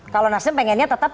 kalau nasdem pengennya tetap